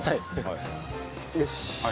よし。